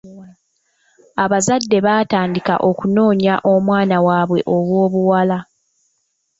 Abazadde baatandika okunoonya omwana waabwe ow'obuwala.